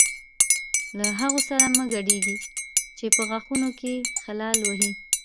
له هغو سره مه ګډېږئ چې په غاښونو کې خلال وهي.